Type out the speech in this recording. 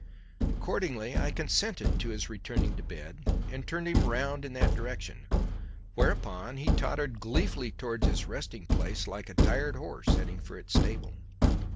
Accordingly, I consented to his returning to bed, and turned him round in that direction; whereupon he tottered gleefully towards his resting place like a tired horse heading for its stable.